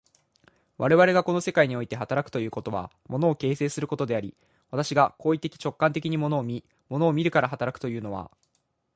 我々がこの世界において働くということは、物を形成することであり、私が行為的直観的に物を見、物を見るから働くというのは、